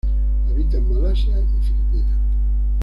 Habita en Malasia y Filipinas.